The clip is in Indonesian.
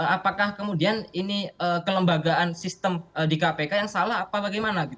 apakah kemudian ini kelembagaan sistem di kpk yang salah apa bagaimana